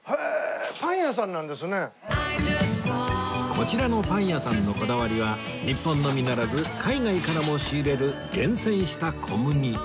こちらのパン屋さんのこだわりは日本のみならず海外からも仕入れる厳選した小麦